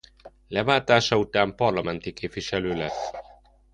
Leváltása után parlamenti képviselő lett.